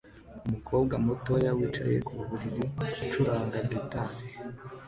Umukobwa muto wicaye ku buriri acuranga gitari